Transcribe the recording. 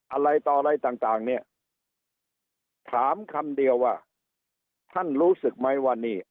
อะไรต่ออะไรต่างเนี่ยถามคำเดียวว่าท่านรู้สึกไหมว่านี่